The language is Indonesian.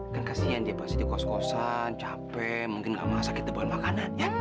kan kasihan dia pasti dikos kosan capek mungkin gak merasa kita bawain makanan